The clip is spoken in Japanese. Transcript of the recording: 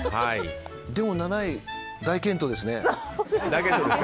でも７位大健闘ですね。